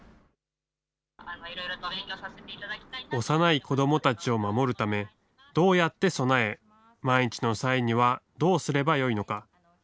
幼い子どもたちを守るため、どうやって備え、万一の際にはどうすればよいのか。